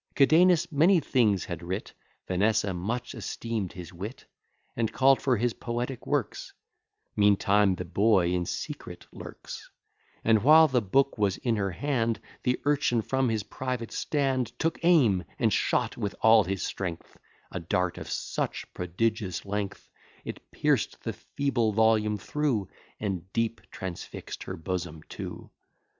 Cadenus many things had writ: Vanessa much esteem'd his wit, And call'd for his poetic works: Meantime the boy in secret lurks; And, while the book was in her hand, The urchin from his private stand Took aim, and shot with all his strength A dart of such prodigious length, It pierced the feeble volume through, And deep transfix'd her bosom too.